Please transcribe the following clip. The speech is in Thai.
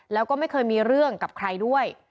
แล้วก็ไม่เคยมีเรื่องกับใครด้วย